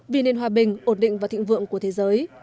vì nền hòa bình ổn định và thịnh vượng của thế giới